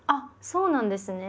そうなんですね。